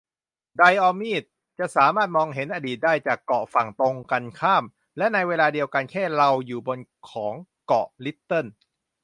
ไดออมีด จะสามารถมองเห็นอดีตได้จากเกาะฝั่งตรงกันข้าม และในเวลาเดียวกันแค่เราอยู่บนของเกาะลิตเติล